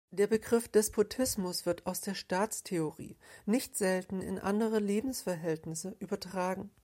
Der Begriff Despotismus wird aus der Staatstheorie nicht selten in andere Lebensverhältnisse übertragen.